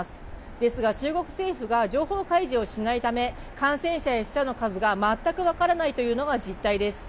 ですが、中国政府が情報開示をしないため感染者や死者の数が全く分からないというのが実態です。